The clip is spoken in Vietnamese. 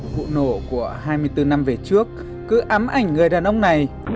vụ nổ của hai mươi bốn năm về trước cứ ám ảnh người đàn ông này